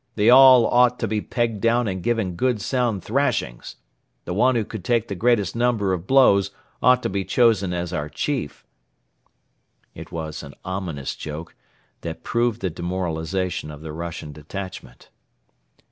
They all ought to be pegged down and given good sound thrashings. The one who could take the greatest number of blows ought to be chosen as our chief." It was an ominous joke that proved the demoralization of the Russian detachment.